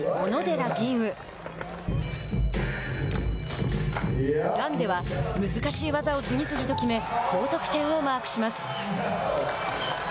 ランでは難しい技を次々と決め高得点をマークします。